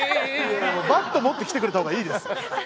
バット持って来てくれた方がいいですよ。